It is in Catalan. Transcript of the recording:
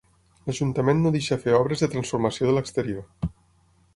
L'ajuntament no deixa fer obres de transformació de l'exterior.